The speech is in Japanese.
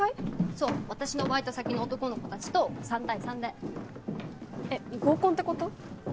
そう私のバイト先の男の子達と３対３でえっ合コンってこと？